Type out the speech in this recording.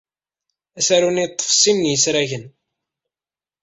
Asaru-nni yeḍḍef sin n yisragen.